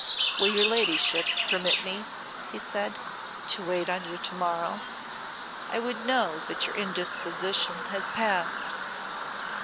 "Will your ladyship permit me," he said, "to wait on you to morrow? I would know that your indisposition has passed."